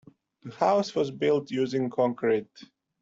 The house was built using concrete.